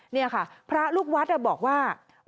นี่ค่ะพระลูกวัดบอกว่า